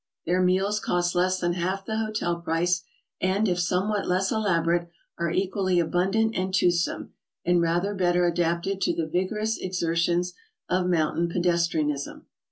Their meals cost less than half the hotel price, and, if somewhat less elaborate, are equally abundant and toothsome, and rather better adapted to the vigorous exertions of mountain pedestrianism.